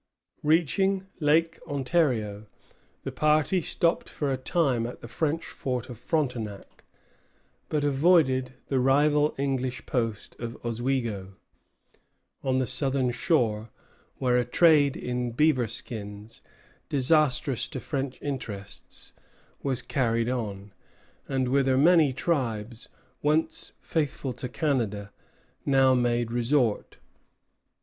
Reaching Lake Ontario, the party stopped for a time at the French fort of Frontenac, but avoided the rival English post of Oswego, on the southern shore, where a trade in beaver skins, disastrous to French interests, was carried on, and whither many tribes, once faithful to Canada, now made resort.